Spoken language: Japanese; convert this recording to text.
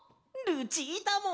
ルチータも。